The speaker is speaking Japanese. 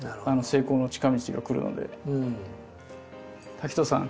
滝藤さん